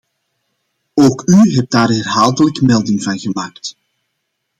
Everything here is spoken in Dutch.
Ook u hebt daar herhaaldelijk melding van gemaakt.